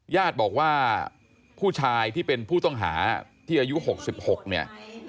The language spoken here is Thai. ญาติบอกว่าผู้ชายที่เป็นผู้ต้องหาที่อายุ๖๖เนี่ย